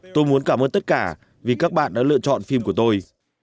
tôi muốn cảm ơn tất cả vì các bạn đã lựa chọn phim của tôi